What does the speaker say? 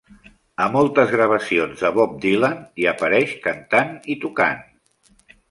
A moltes gravacions de Bob Dylan hi apareix cantant i tocant.